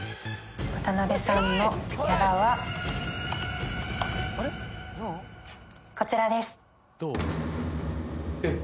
渡辺さんのギャラはこちらですえっ